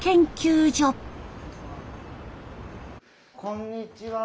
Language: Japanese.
こんにちは。